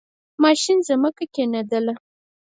ماشین زَمکه کیندله.